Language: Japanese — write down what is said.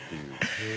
へえ。